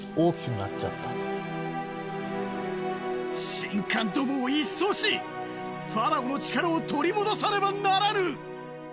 神官どもを一掃しファラオの力を取り戻さねばならぬ！